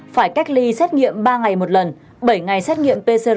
phải cách ly xét nghiệm ba ngày một lần bảy ngày xét nghiệm pcr một lần